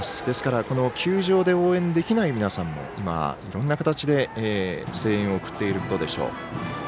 ですから球場で応援できない皆さんも今、いろいろな形で声援を送っていることでしょう。